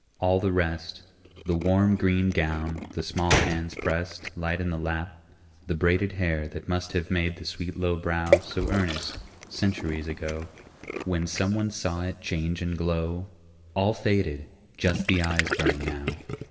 All the rest The warm green gown, the small hands pressed Light in the lap, the braided hair That must have made the sweet low brow So earnest, centuries ago, When some one saw it change and glow All faded! Just the eyes burn now.